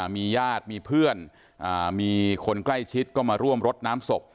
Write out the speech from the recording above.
มีญาติมีเพื่อนมีคนใกล้ชิดก็มาร่วมรดน้ำศพ